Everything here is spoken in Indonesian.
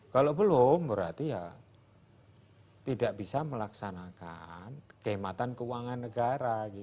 kalau belum berarti tidak bisa melaksanakan kekhidmatan keuangan negara